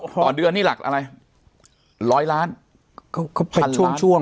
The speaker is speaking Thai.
ต่อเดือนนี่หลักอะไรร้อยล้าน